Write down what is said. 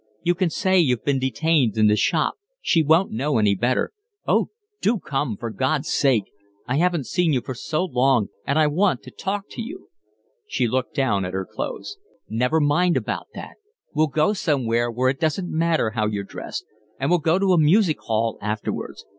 You can say you've been detained in the shop; she won't know any better. Oh, do come, for God's sake. I haven't seen you for so long, and I want to talk to you." She looked down at her clothes. "Never mind about that. We'll go somewhere where it doesn't matter how you're dressed. And we'll go to a music hall afterwards.